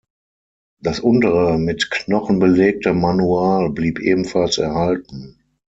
Das untere mit Knochen belegte Manual blieb ebenfalls erhalten.